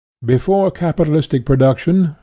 Before capitalistic production, i.